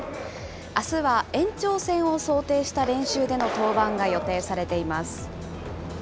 あすは延長戦を想定した練習での登板が予定されています。